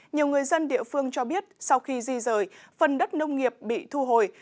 nhiều người dân địa phương cho biết sau khi di rời phần đất nông nghiệp bị thu hồi